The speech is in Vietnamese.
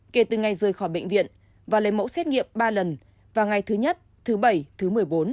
kể từ ngày rời khỏi bệnh viện và lấy mẫu xét nghiệm ba lần vào ngày thứ nhất thứ bảy thứ một mươi bốn